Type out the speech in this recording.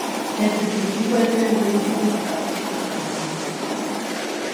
La estación se encuentra en un magnífico estado de conservación.